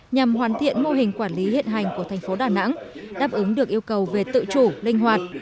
nhằm hoàn thiện mô hình quản lý hiện hành của thành phố đà nẵng đáp ứng được yêu cầu về tự chủ linh hoạt